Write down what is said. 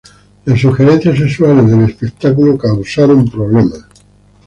Las sugerencias sexuales del espectáculo causaron problemas.